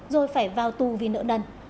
rồi phải vào tù vì nợ đần